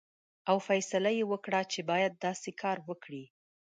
او فیصله یې وکړه چې باید داسې کار وکړي.